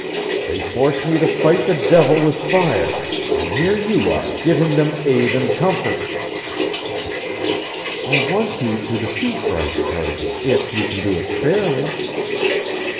They force me to fight the devil with fire and here you are, giving them aid and comfort." "I want you to defeat Bryce Cardigan, if you can do it fairly."